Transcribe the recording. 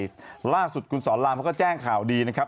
ล่าสุดคุณสอนรามเขาก็แจ้งข่าวดีนะครับ